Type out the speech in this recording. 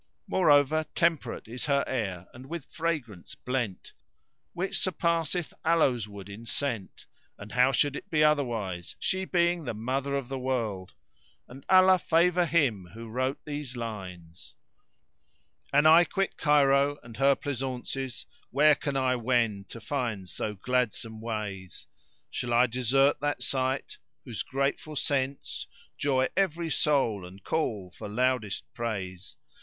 Moreover temperate is her air, and with fragrance blent, Which surpasseth aloes wood in scent; and how should it be otherwise, she being the Mother of the World? And Allah favour him who wrote these lines:— An I quit Cairo and her pleasaunces, * Where can I wend to find so gladsome ways? Shall I desert that site, whose grateful scents * Joy every soul and call for loudest praise?